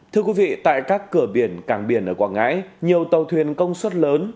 thưa quý vị tại các cửa biển cảng biển ở quảng ngãi nhiều tàu thuyền công suất lớn